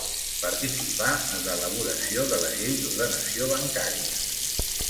Participà en l'elaboració de la llei d'Ordenació Bancària.